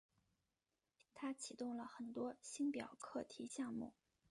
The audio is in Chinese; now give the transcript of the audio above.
他启动了很多星表课题项目。